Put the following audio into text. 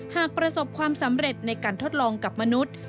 หากประสบความสำเร็จในการทดลองกับมนุษย์